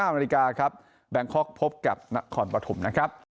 ๑๙นครับแบงคล็อกพบกับณขอนประถุมนะครับ